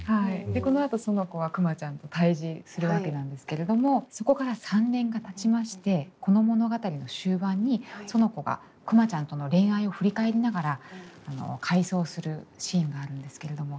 でこのあと苑子はくまちゃんと対峙するわけなんですけれどもそこから３年がたちましてこの物語の終盤に苑子がくまちゃんとの恋愛を振り返りながら回想するシーンがあるんですけれども。